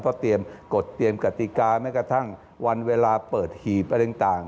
เพราะเตรียมกฎเตรียมกติกาแม้กระทั่งวันเวลาเปิดหีบอะไรต่าง